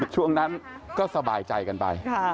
ช่วงนั้นก็สบายใจกันไป